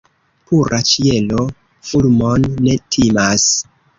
Pura ĉielo fulmon ne timas.